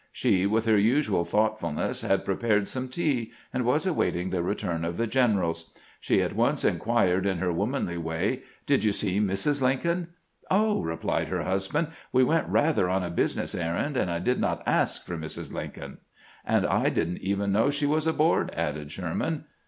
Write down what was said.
She, with her usual thought fulness, had prepared some tea, and was awaiting the return of the generals. She at once inquired, in her womanly way: "Did you see Mrs. Lincoln?" "Oh," replied her husband, "we went rather on a business errand, and I did not ask for Mrs. Lincoln." "'And I did n't even know she was aboard," added Sherman.